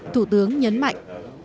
thủ tướng nhấn mạnh